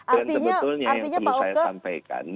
dan sebetulnya yang perlu saya sampaikan